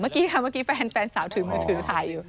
เมื่อกี้ค่ะเมื่อกี้แฟนสาวถือมือถือใส่อยู่